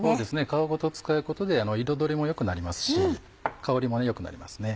皮ごと使うことで彩りも良くなりますし香りも良くなりますね。